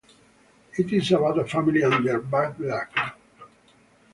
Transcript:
It is about a family and their bad luck.